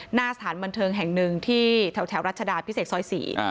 หน้าสถานบันเทิงแห่งหนึ่งที่แถวรัชดาพิเศษซอย๔